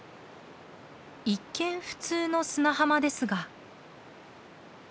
一見普通の砂浜ですが。